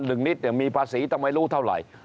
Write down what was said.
หนึ่งนิดเดือนมีภาษีต้องไว้รู้เท่าไหร่